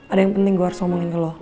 ada yang penting gue harus omongin ke lo